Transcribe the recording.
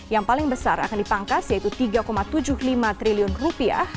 yang paling besar akan dipangkas yaitu tiga tujuh puluh lima triliun rupiah